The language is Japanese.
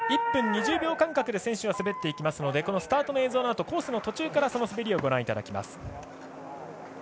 １分２０秒間隔で選手が滑りますのでスタートの映像のあとコースの途中からその滑りをご覧いただきます。